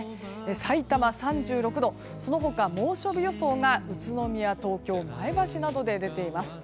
さいたま３６度その他、猛暑日予想が宇都宮、東京、前橋などで出ています。